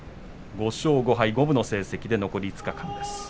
５勝５敗、五分の成績で残り５日間です。